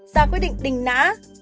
ra quyết định đình ná